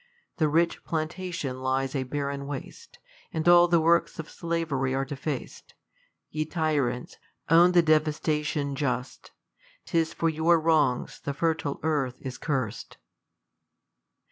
The rich plantation lies a barren waste^ And all the works of slavery are defac'd. Ye tyrants, own the devastation just ; 'Tis for your wrongs the fertile earth is curs'd.